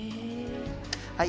はい。